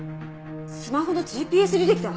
スマホのＧＰＳ履歴だ！